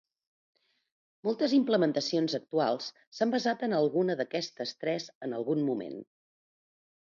Moltes implementacions actuals s'han basat en alguna d'aquestes tres en algun moment.